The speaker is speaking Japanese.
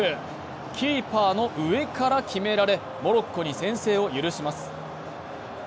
キーパーの上から決められモロッコに先制を許します。